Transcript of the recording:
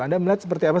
anda melihat seperti apa